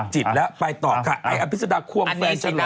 จิตแล้วไปต่อค่ะไอ้อภิษฎาควมแฟนชะล้อค่ะ